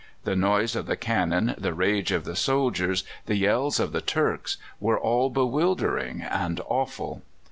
The noise of the cannon, the rage of the soldiers, the yells of the Turks, were all bewildering and awful.